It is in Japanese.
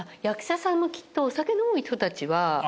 役者さんもきっとお酒飲む人たちは。